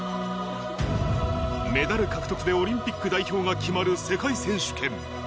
メダル獲得でオリンピック代表が決まる世界選手権。